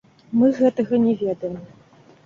Мы гэтага не ведаем.